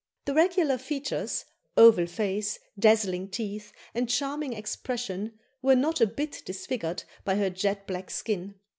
The regular features, oval face, dazzling teeth, and charming expression, were not a bit disfigured by her jet black skin.